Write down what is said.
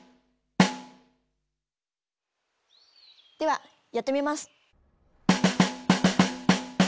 ではやってみます。